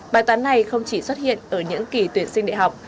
bài toán này không chỉ xuất hiện ở những kỳ tuyển sinh đại học